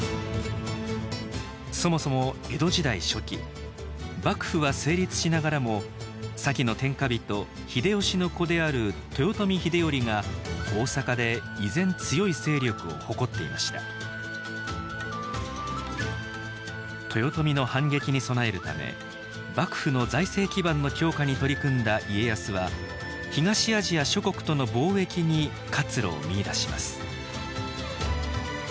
そもそも江戸時代初期幕府は成立しながらも先の天下人秀吉の子である豊臣秀頼が大坂で依然強い勢力を誇っていました豊臣の反撃に備えるため幕府の財政基盤の強化に取り組んだ家康は東アジア諸国との貿易に活路を見いだします